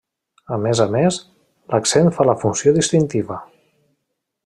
A més a més, l'accent fa la funció distintiva.